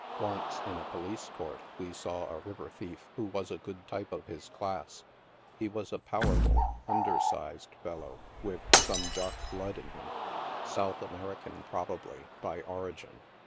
Once, in a police court, we saw a river thief, who was a good type of his class. Ho was a powerful, un dersized fellow, with some dark blood in him— South American, 106 NIGHT SIDE OF NEW YORK. probably, by origin.